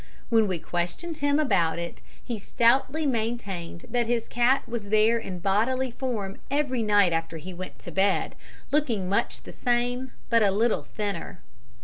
When we questioned him about it, he stoutly maintained that his cat was there in bodily form every night after he went to bed, looking much the same but a little thinner.